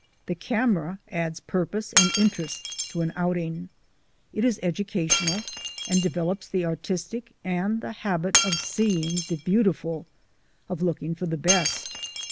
The camera adds purpose and interest to an out ing. It is educational and develops the artistic and the habit of seeing the beautiful — of looking for the best.